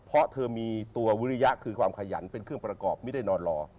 เพราะเธอมีตัววิริยะคือความขยันเป็นเครื่องประกอบไม่ได้นอนรอ